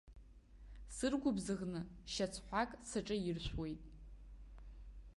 Сыргәыбзыӷны шьацҳәак саҿаиршәуеит.